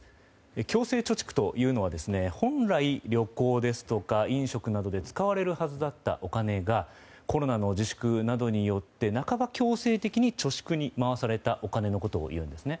強制貯蓄というのは本来、旅行ですとか飲食などで使われるはずだったお金がコロナの自粛などによって半ば強制的に貯蓄に回されたお金のことをいうんです。